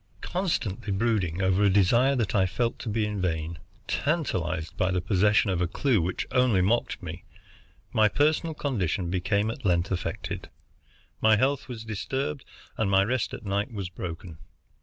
Constantly brooding over a desire that I felt to be vain, tantalized by the possession of a clue which only mocked me, my physical condition became at length affected. My health was disturbed and my rest at night was broken.